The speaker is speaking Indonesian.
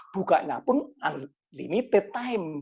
bukanya pun unlimited time